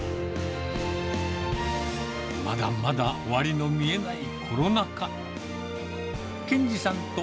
まだまだ終わりの見えないコロナ禍。